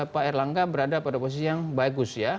pak erlangga berada pada posisi yang bagus ya